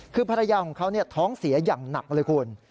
คือภรรยาของเขาท้องเสียอย่างหนักเลยคุณ